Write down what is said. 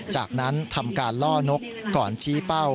จากนั้นทำการล่อนกก่อนชี้เป้า